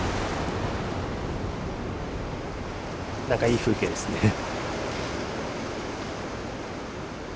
なんかいい風景ですね。